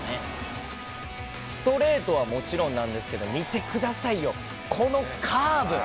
ストレートはもちろんなんですけど、見てくださいよ、このカーブ。